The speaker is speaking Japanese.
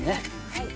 はい！